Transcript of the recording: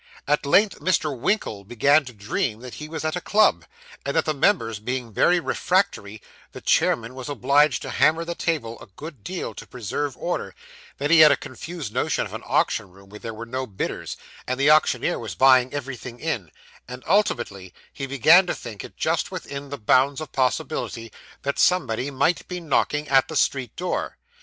At length Mr. Winkle began to dream that he was at a club, and that the members being very refractory, the chairman was obliged to hammer the table a good deal to preserve order; then he had a confused notion of an auction room where there were no bidders, and the auctioneer was buying everything in; and ultimately he began to think it just within the bounds of possibility that somebody might be knocking at the street door.